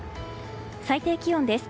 最低気温です。